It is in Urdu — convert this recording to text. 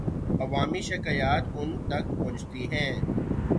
عوامی شکایات ان تک پہنچتی ہیں۔